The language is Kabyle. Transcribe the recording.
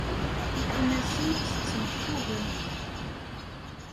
Tifunasin ttettent tuga.